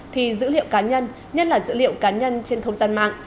thì dữ liệu cá nhân nhất là dữ liệu cá nhân trên không gian mạng